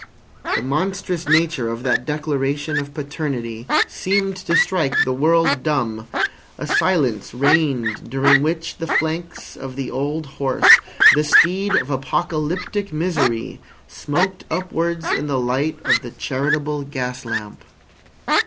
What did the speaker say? The monstrous nature of that declaration of paternity seemed to strike the world dumb. A silence reigned during which the flanks of the old horse, the steed of apocalyptic misery, smoked upwards in the light of the charitable gas lamp.